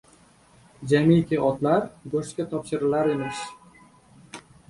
— Jamiki otlar go‘shtga topshirilar emish.